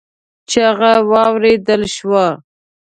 چيغه واورېدل شوه.